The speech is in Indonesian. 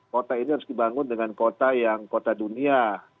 kota ini harus dibangun dengan kota yang kota dunia